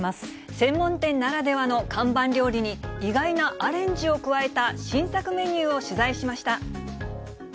専門店ならではの看板料理に、意外なアレンジを加えた新作メニューを取材しました。